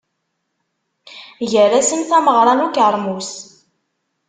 Gar-asen, tameɣra n ukermus.